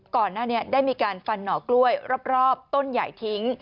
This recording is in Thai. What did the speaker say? ก่อนหน้านี้ได้มีการฟันหน่อกล้วยรอบต้นใหญ่ทิ้ง